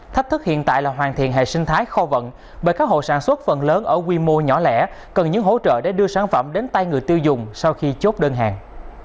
thách thức hiện tại là hoàn thiện hệ sinh thái kho vận bởi các hộ sản xuất phần lớn ở quy mô nhỏ lẻ cần những hỗ trợ để đưa sản phẩm đến tay người tiêu dùng sau khi chốt đơn hàng